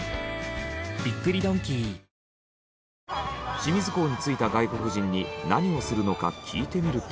清水港に着いた外国人に何をするのか聞いてみると。